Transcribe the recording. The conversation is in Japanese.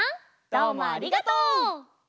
どうもありがとう！